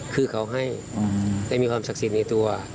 คือเขาให้ได้มีความศักดิ์สิทธิ์ในตัว